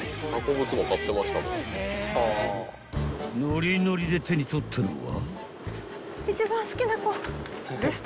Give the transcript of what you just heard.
［ノリノリで手に取ったのは］